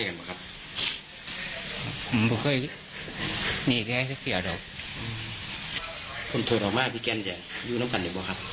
คนโทษออกมาลงแกจะอยู่เนาะกันหรือเปล่าครับ